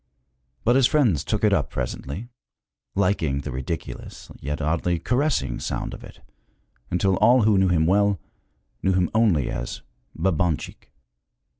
But his friends took it up presently, liking the ridiculous yet oddly caressing sound of it, until all who knew him well knew him only as Babanchik.